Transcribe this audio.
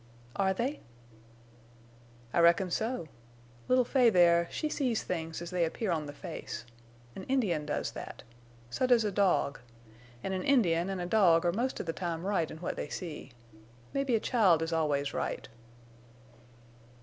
"Are they?" "I reckon so. Little Fay there—she sees things as they appear on the face. An Indian does that. So does a dog. An' an Indian an' a dog are most of the time right in what they see. Mebbe a child is always right."